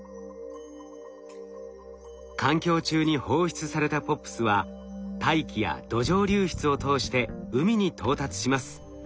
環境中に放出されたＰＯＰｓは大気や土壌流出を通して海に到達します。